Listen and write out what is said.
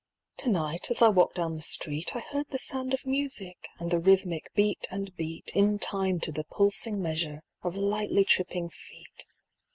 To night as I walked down street I heard the sound of music, And the rhythmic beat and beat, In time to the pulsing measure Of lightly tripping feet.